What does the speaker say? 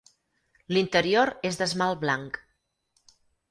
L'interior és d'esmalt blanc.